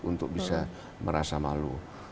untuk bisa merasa malu